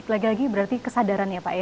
lagi lagi berarti kesadaran ya pak ya